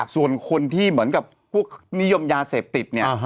ส่วนคนที่เหมือนกับพวกนิยมยาเสพติดเนี่ย